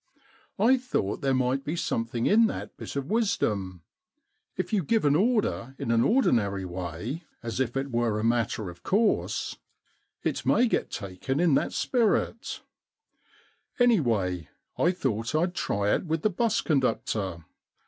I thought there might be something in that bit of wisdom. If you give an order in an ordinary way, as if it were a matter of course, it may get taken in that 193 The Problem Club spirit. Anyway, I thought Fd try it with the bus conductor.